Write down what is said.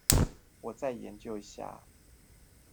我再研究一下